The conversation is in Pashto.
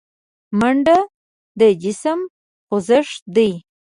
منډه د جسم خوځښت دی